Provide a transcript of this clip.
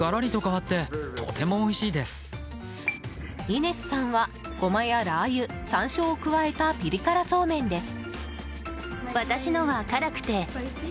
イネスさんはゴマやラー油、山椒を加えたピリ辛そうめんです。